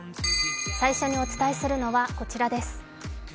最初にお伝えするのはこちらです。